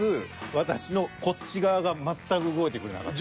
私のこっち側が全く動いてくれなかった。